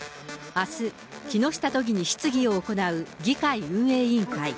あす、木下都議に質疑を行う議会運営委員会。